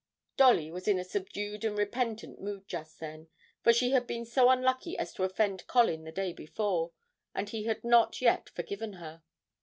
Dolly was in a subdued and repentant mood just then, for she had been so unlucky as to offend Colin the day before, and he had not yet forgiven her.